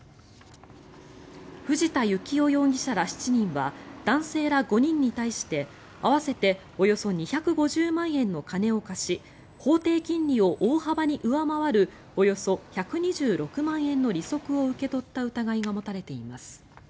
藤田幸夫容疑者ら７人は男性ら５人に対して合わせておよそ２５０万円の金を貸し法定金利を大幅に上回るおよそ１２６万円の利息を受け取った疑いが持たれています。